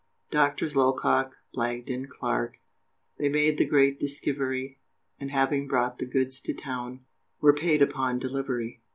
Doctors Locock, Blagden, Clark, They made the great diskivery, And having brought the goods to town, Were "paid upon delivery!"